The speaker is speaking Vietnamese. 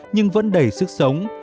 nhưng vẫn đầy sức sống